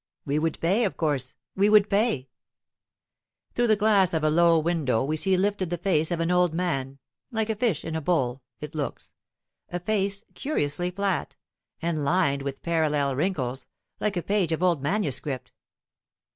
We would pay, of course, we would pay " Through the glass of the low window we see lifted the face of an old man like a fish in a bowl, it looks a face curiously flat, and lined with parallel wrinkles, like a page of old manuscript.